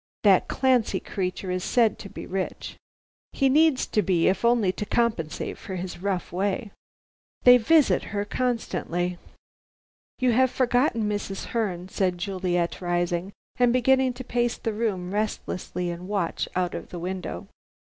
That Clancy creature is said to be rich. He needs to be, if only to compensate for his rough way. They visit her constantly." "You have forgotten Mrs. Herne," said Juliet, rising, and beginning to pace the room restlessly and watch out of the window.